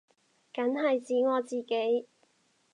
梗係指我自己